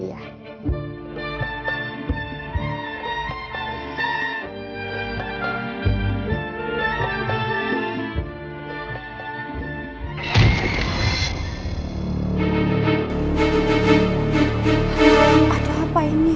ada apa ini